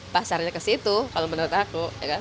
pasarnya ke situ kalau menurut aku